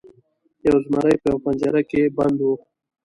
یو زمری په یوه پنجره کې بند و.